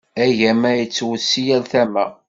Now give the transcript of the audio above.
Agama yettwet si yal tama.